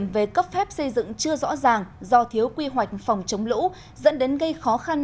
về cấp phép xây dựng chưa rõ ràng do thiếu quy hoạch phòng chống lũ dẫn đến gây khó khăn